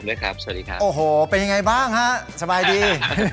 โหยยยยยยยยยได้ยังไงบ้างฮะสบายดี